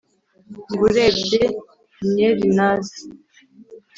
ngo urebye nyernazi